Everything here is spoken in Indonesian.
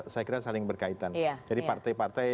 saya kira saling berkaitan jadi partai partai